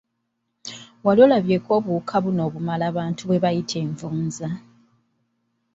Wali olabyeko obuwuka buno obulama abantu bwe bayita envunza?